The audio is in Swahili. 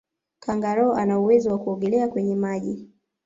kangaroo ana uwezo wa kuogelea kwenye maji